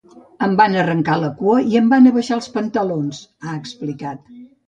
Em van arrencar la cua i em van abaixar els pantalons, ha explicat.